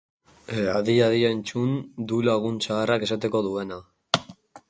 Adi-adi entzun du lagun zaharrak esateko duena.